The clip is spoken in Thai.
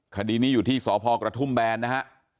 คดีนี้อยู่ที่สพกระทุ่มแบนนะฮะ